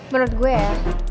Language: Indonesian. menurut gue ya